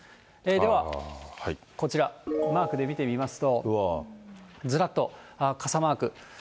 ではこちら、マークで見てみますと、ずらっと傘マーク。